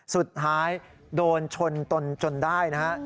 สุดท้ายโดนชนจนได้นะฮะ